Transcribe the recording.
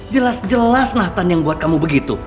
jelas jelas nathan yang buat kamu begitu